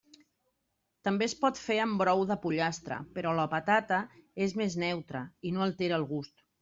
També es pot fer amb brou de pollastre, però la patata és més neutra i no altera el gust.